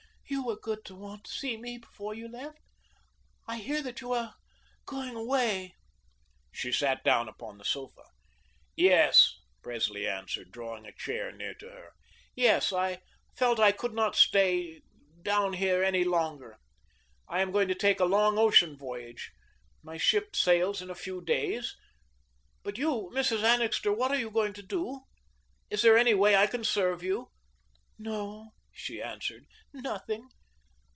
"You were good to want to see me before you left. I hear that you are going away." She sat down upon the sofa. "Yes," Presley answered, drawing a chair near to her, "yes, I felt I could not stay down here any longer. I am going to take a long ocean voyage. My ship sails in a few days. But you, Mrs. Annixter, what are you going to do? Is there any way I can serve you?" "No," she answered, "nothing.